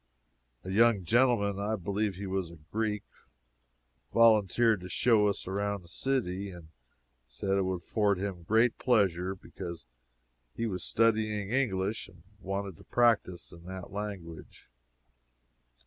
A young gentleman (I believe he was a Greek,) volunteered to show us around the city, and said it would afford him great pleasure, because he was studying English and wanted practice in that language.